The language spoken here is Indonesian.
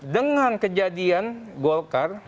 dengan kejadian golkar